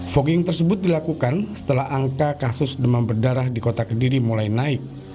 fogging tersebut dilakukan setelah angka kasus demam berdarah di kota kediri mulai naik